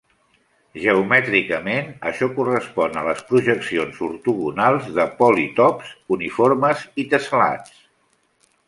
Geomètricament això correspon a les projeccions ortogonals de polítops uniformes i tessel·lats.